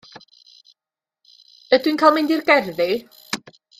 Ydw i'n cael mynd i'r gerddi?